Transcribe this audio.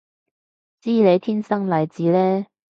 知你天生麗質嘞